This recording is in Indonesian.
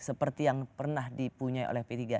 seperti yang pernah dipunyai oleh p tiga